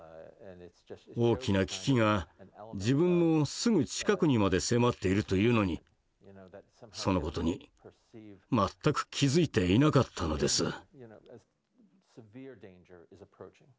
大きな危機が自分のすぐ近くにまで迫っているというのにその事に全く気付いていなかったのです。